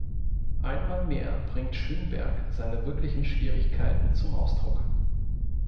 Einmal mehr bringt Schönberg seine wirklichen Schwierigkeiten zum Ausdruck.